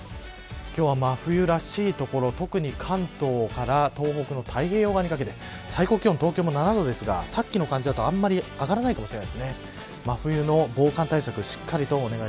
今日は真冬らしい所特に関東から東北の太平洋側にかけて最高気温、東京も７度ですがさっきの感じだと、あまり上がらないかもしれません。